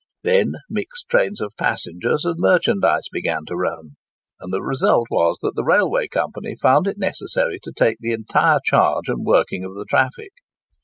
Then mixed trains of passengers and merchandise began to run; and the result was that the railway company found it necessary to take the entire charge and working of the traffic.